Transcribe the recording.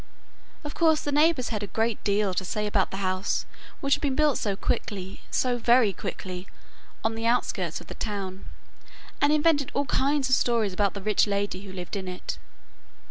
Of course the neighbours had a great deal to say about the house which had been built so quickly so very quickly on the outskirts of the town, and invented all kinds of stories about the rich lady who lived in it.